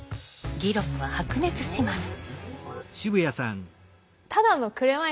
議論は白熱します。